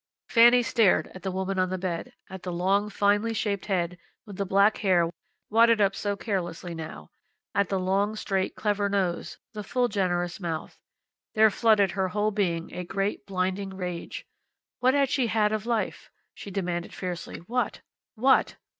Fanny stared at the woman on the bed at the long, finely shaped head, with the black hair wadded up so carelessly now; at the long, straight, clever nose; the full, generous mouth. There flooded her whole being a great, blinding rage. What had she had of life? she demanded fiercely. What? What?